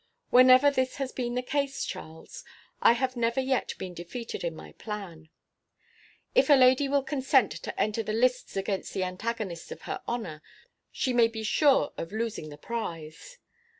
Whenever this has been the case, Charles, I have never yet been defeated in my plan. If a lady will consent to enter the lists against the antagonist of her honor, she may be sure of losing the prize.